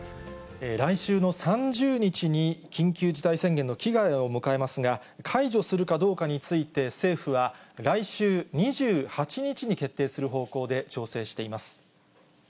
来週の３０日に緊急事態宣言の期限を迎えますが、解除するかどうかについて政府は、来週２８日に決定する方向で調整しています。